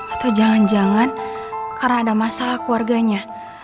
atau jangan jangan karena ada masalah keluarganya